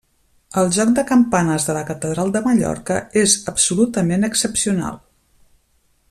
El joc de campanes de la catedral de Mallorca és absolutament excepcional.